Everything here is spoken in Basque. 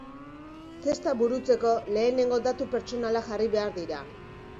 Testa burutzeko, lehengo datu pertsonalak jarri behar dira.